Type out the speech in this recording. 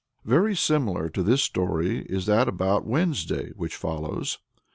Very similar to this story is that about Wednesday which follows.